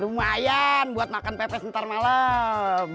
lumayan buat makan pepes ntar malam